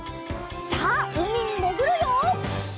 さあうみにもぐるよ！